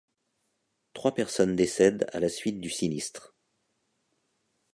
Trois personnes décèdent à la suite du sinistre.